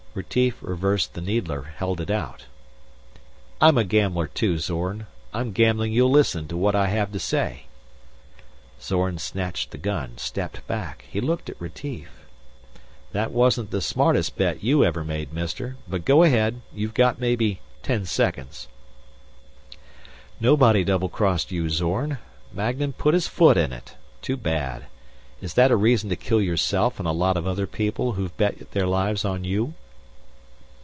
Retief reversed the needler, held it out. "I'm a gambler too, Zorn. I'm gambling you'll listen to what I have to say." Zorn snatched the gun, stepped back. He looked at Retief. "That wasn't the smartest bet you ever made, Mister; but go ahead. You've got maybe ten seconds." "Nobody doublecrossed you, Zorn. Magnan put his foot in it. Too bad. Is that a reason to kill yourself and a lot of other people who've bet their lives on you?"